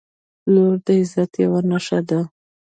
• لور د عزت یوه نښه ده.